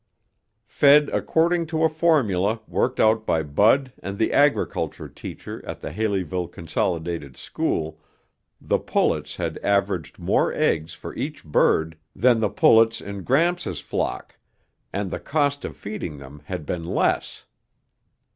Fed according to a formula worked out by Bud and the agriculture teacher at the Haleyville Consolidated School, the pullets had averaged more eggs for each bird than the pullets in Gramps' flock, and the cost of feeding them had been less.